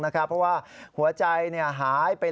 นายยกรัฐมนตรีพบกับทัพนักกีฬาที่กลับมาจากโอลิมปิก๒๐๑๖